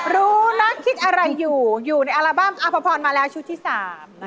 รู้นะคิดอะไรอยู่อยู่ในอัลบั้มอภพรมาแล้วชุดที่สาม